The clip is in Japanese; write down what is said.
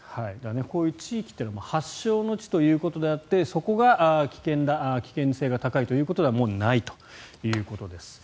こういう地域っていうのは発祥の地ということであってそこが危険性が高いということではもうないということです。